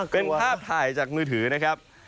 เป็นภาพถ่ายจากมือถือนะครับ